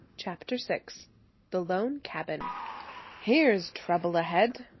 CHAPTER VI THE LONE CABIN "Here's trouble ahead!"